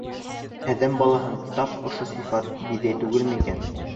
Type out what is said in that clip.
Әҙәм балаһын тап ошо сифат биҙәй түгелме икән?